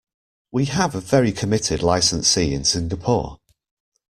We have a very committed licensee in Singapore.